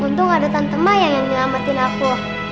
untung ada tante maya yang nyelamatin aku